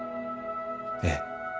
ええ。